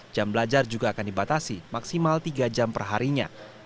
jam belajar juga akan dibatasi maksimal tiga jam perharinya